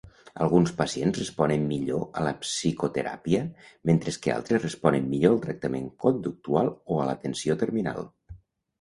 Alguns pacients responen millor a la psicoteràpia, mentre que altres responen millor al tractament conductual o a l'atenció terminal.